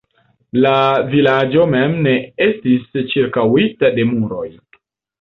La vilaĝo mem ne estis ĉirkaŭita de muroj.